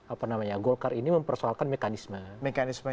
apa namanya golkar ini mempersoalkan mekanisme